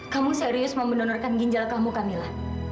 kamu serius membenonorkan ginjal kamu kamila